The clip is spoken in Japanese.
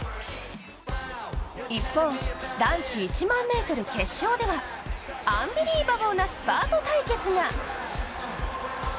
一方、男子１００００ｍ決勝ではアンビリーバボーなスタート対決が。